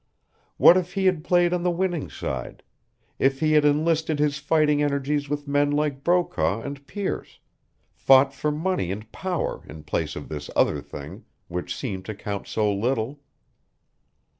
What if he had played on the winning side, if he had enlisted his fighting energies with men like Brokaw and Pearce, fought for money and power in place of this other thing, which seemed to count so little?